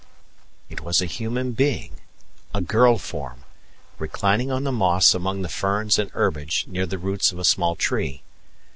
It was a human being a girl form, reclining on the moss among the ferns and herbage, near the roots of a small tree.